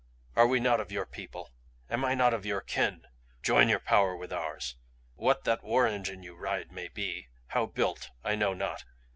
Are we not of your people? Am I not of your kin? Join your power with ours. What that war engine you ride may be, how built, I know not.